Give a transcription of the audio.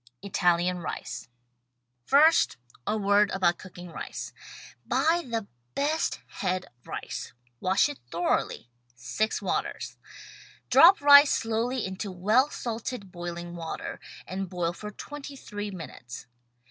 ITALIAN RICE First, a word about cooking rice. Buy the best head rice. Wash it thoroughly, — six waters. Drop rice slowly into well salted, boiling water, and boil for twenty three minutes.